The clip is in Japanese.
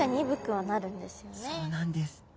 そうなんです。